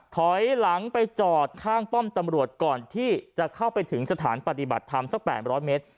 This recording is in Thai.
ถอยหลังไปจอดข้างป้อมตำรวจก่อนที่จะเข้าไปถึงสถานปฏิบัติธรรมสัก๘๐๐เมตร